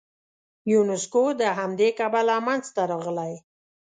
یونسکو د همدې کبله منځته راغلی.